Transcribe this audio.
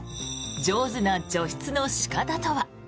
上手な除湿の仕方とは？